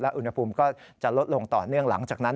อุณหภูมิก็จะลดลงต่อเนื่องหลังจากนั้น